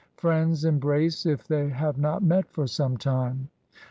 Friends embrace if they have not met for some time.